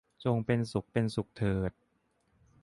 จงเป็นสุขเป็นสุขเถิด